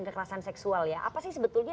kekerasan seksual ya apa sih sebetulnya